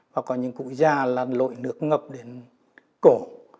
hoặc có những cụ già là lội nước ngập đến cổ